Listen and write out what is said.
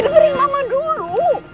dengarkan mama dulu